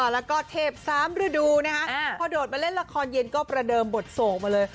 แล้วก็เทปสามฤดูครับพอโดดไปเล่นละครเย็นก็ประเดิมบทโศคนเดียวเลย